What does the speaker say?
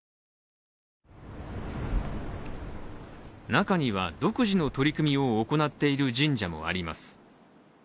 中には、独自の取り組みを行っている神社もあります。